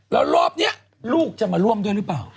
แล้วรอบนี้ลูกจะมาร่วมด้วยหรือเปล่า